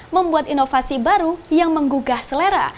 membuat inovasi baru yang menggugah selera